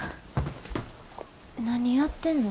何やってんの？